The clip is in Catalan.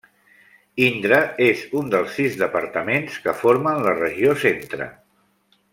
Indre és un dels sis departaments que formen la regió Centre.